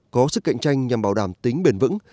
có sức cạnh tranh nhằm bảo đảm tính bền vững